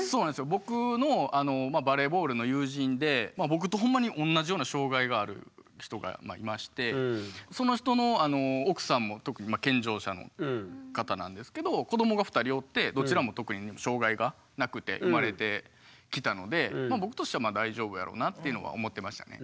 僕のバレーボールの友人で僕とほんまに同じような障害がある人がいましてその人の奥さんも健常者の方なんですけど子どもが２人おってどちらも特に障害がなくて生まれてきたので僕としては大丈夫やろうなっていうのは思ってましたね。